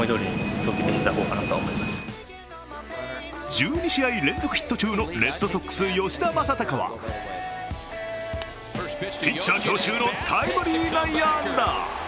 １２試合連続ヒット中のレッドソックス・吉田正尚はピッチャー強襲のタイムリー内野安打。